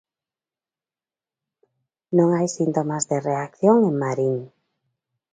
Non hai síntomas de reacción en Marín.